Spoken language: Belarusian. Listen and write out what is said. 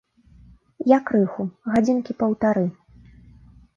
Я крыху, гадзінкі паўтары.